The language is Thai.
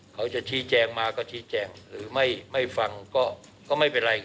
เขาจะชี้แจงมาก็ชี้แจงหรือไม่ฟังก็ไม่เป็นไร